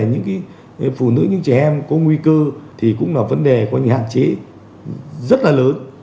những phụ nữ những trẻ em có nguy cơ thì cũng là vấn đề có những hạn chế rất là lớn